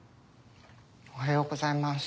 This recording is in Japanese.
おはようございます。